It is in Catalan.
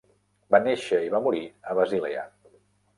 Va néixer i va morir a Basilea.